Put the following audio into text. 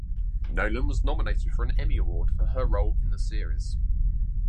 Nolan was nominated for an Emmy Award for her role in the series.